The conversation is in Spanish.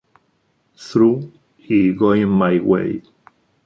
True" y "Going My Way".